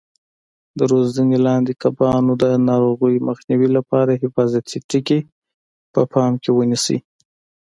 د روزنې لاندې کبانو د ناروغیو مخنیوي لپاره حفاظتي ټکي په پام کې ونیسئ.